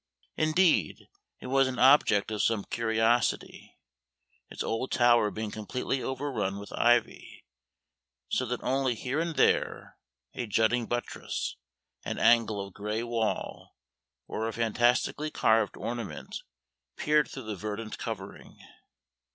Indeed, it was an object of some curiosity, its old tower being completely overrun with ivy so that only here and there a jutting buttress, an angle of gray wall, or a fantastically carved ornament peered through the verdant covering.